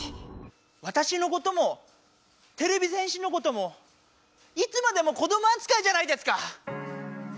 わたしのこともてれび戦士のこともいつまでも子どもあつかいじゃないですか！